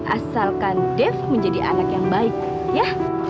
asalkan dev menjadi anak yang baik ya